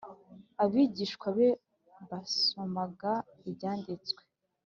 abigishwa be basomaga Ibyanditswe